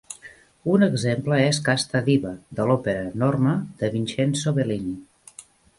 Un exemple és "Casta diva" de l'opera "Norma" de Vincenzo Bellini.